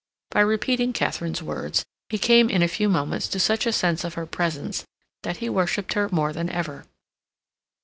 By repeating Katharine's words, he came in a few moments to such a sense of her presence that he worshipped her more than ever.